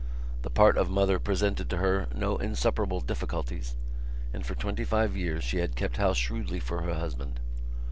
The part of mother presented to her no insuperable difficulties and for twenty five years she had kept house shrewdly for her husband.